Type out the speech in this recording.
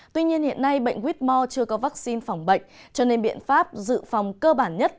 tuy nhiên hiện nay bệnh whore chưa có vaccine phòng bệnh cho nên biện pháp dự phòng cơ bản nhất